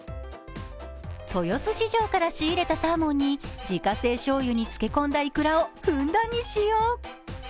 豊洲市場から仕入れたサーモンに自家製しょうゆに漬け込んだいくらをふんだんに使用。